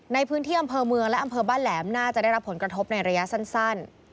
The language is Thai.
ในพื้นที่อำเภอเมืองและอำเภอบ้านแหลมน่าจะได้รับผลกระทบในระยะสั้น